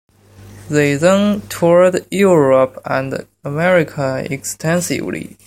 They then toured Europe and America extensively.